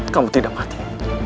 kamu tidak mati